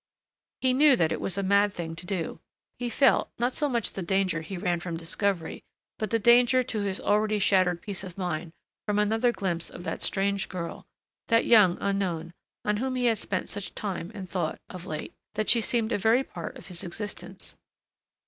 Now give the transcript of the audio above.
He knew that it was a mad thing to do. He felt, not so much the danger he ran from discovery, but the danger to his already shattered peace of mind from another glimpse of that strange girl ... that young unknown, on whom he had spent such time and thought, of late, that she seemed a very part of his existence.